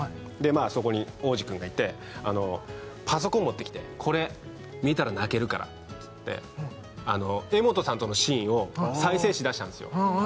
まあそこに央士くんがいてパソコン持ってきて「これ見たら泣けるから」って言って柄本さんとのシーンを再生しだしたんですよ